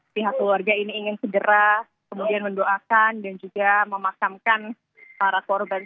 pihak keluarga ini ingin segera kemudian mendoakan dan juga memakamkan para korban